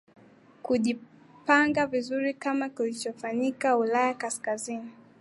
kujipanga vizuri kama kinachofanyika ulaya kaskazini